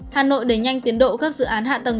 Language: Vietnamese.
hà nội đẩy nhanh tiến độ các dự án hạ tầng